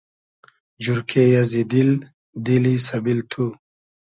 جورکې ازی دیل، دیلی سئبیل تو